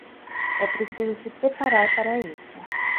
É preciso se preparar para isso.